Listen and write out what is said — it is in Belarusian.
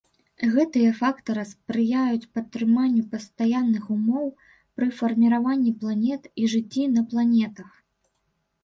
Гэтыя фактары спрыяюць падтрыманню пастаянных умоў пры фарміраванні планет і жыцці на планетах.